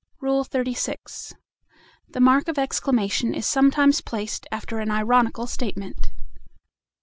XXXVI. The mark of exclamation is sometimes placed after an ironical statement.